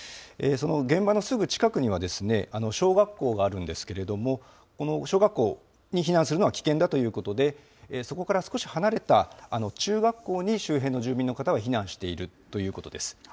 その現場のすぐ近くには、小学校があるんですけれども、この小学校に避難するのは危険だということで、そこから少し離れた、中学校に周辺の住民の方は避難しているということです。